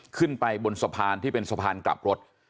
ขึ้นไปบนสะพานที่เป็นสะพานกลับรถ